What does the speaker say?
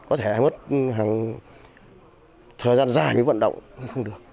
có thể mất hàng thời gian dài mới vận động không được